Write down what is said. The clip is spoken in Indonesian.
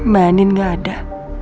mbak anin gak ada